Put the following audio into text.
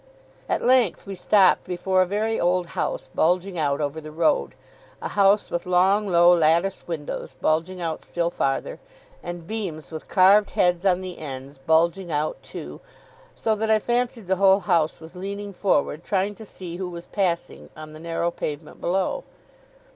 At length we stopped before a very old house bulging out over the road; a house with long low lattice windows bulging out still farther, and beams with carved heads on the ends bulging out too, so that I fancied the whole house was leaning forward, trying to see who was passing on the narrow pavement below.